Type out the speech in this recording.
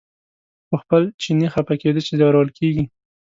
خو په خپل چیني خپه کېده چې ځورول کېږي.